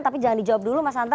tapi jangan dijawab dulu mas anta